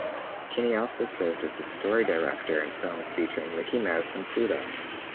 Kinney also served as a story director in films featuring Mickey Mouse and Pluto.